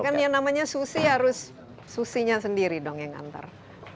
harusnya susi harus susinya sendiri dong yang antar